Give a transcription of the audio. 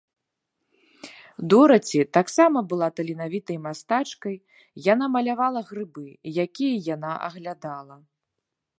Дораці таксама была таленавітай мастачкай, яна малявала грыбы, якія яна аглядала.